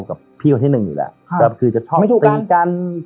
กับพี่คนที่หนึ่งอยู่แล้วค่ะแบบคือจะไม่ถูกกัน